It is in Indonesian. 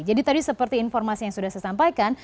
jadi tadi seperti informasi yang sudah saya sampaikan